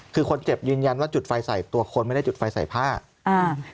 คือคนเจ็บยืนยันว่าจุดไฟใส่ตัวคนไม่ได้จุดไฟใส่ผ้าอ่า